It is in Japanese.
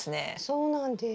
そうなんです。